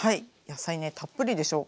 野菜ねたっぷりでしょ。